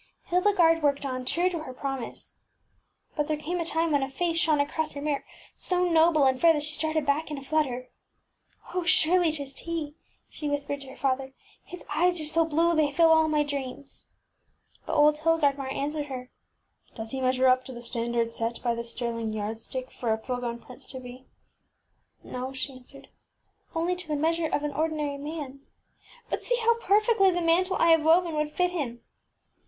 Hildegarde worked on, true to her promise. But there came a time when a face shone across her mirror so noble and fair that she started back in a flutter. ŌĆśOh, surely, ŌĆÖtis he, ŌĆÖ she whispered to her father. ŌĆś His eyes are so blue they fill all my dreams. ŌĆÖ But old Hild gardmar answered her, ŌĆśDoes he measure up to the standard set by the sterling yardstick for a % t\m aaitabtttf full grown prince to be? ŌĆÖ ŌĆśNo, ŌĆÖ she answered, sadly. ŌĆś Only to the meas ure of an ordinary man. But see how perfectly the mantle I have woven would fit him